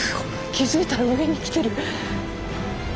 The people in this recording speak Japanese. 気付いたら上に来てる。